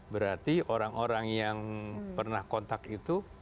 berarti orang orang yang pernah kontak itu